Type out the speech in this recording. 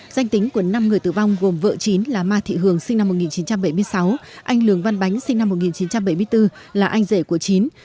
danh tính của năm người tử vong gồm vợ chín là ma thị hường sinh năm một nghìn chín trăm bảy mươi sáu anh lường văn bánh sinh năm một nghìn chín trăm bảy mươi bốn là anh rể của chín